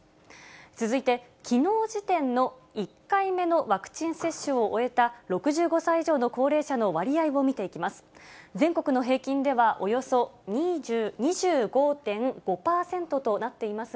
続いて、きのう時点の１回目のワクチン接種を終えた、６５歳以上の高齢者の割合を見ていきます。